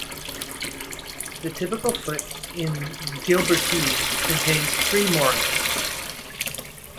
The typical foot in Gilbertese contains three morae.